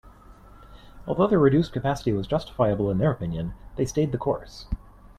Although the reduced capacity was justifiable in their opinion, they stayed the course.